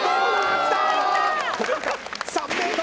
３ｍ！